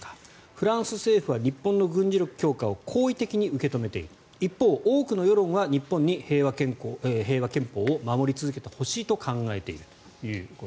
フランス政府は日本の軍事力強化を好意的に受け止めている一方、多くの世論は日本に平和憲法を守り続けてほしいと考えているという。